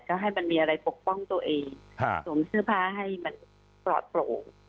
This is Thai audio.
ก็ให้มันมีอะไรปกป้องตัวเองสวมเสื้อผ้าให้มันปลอดโปร่ง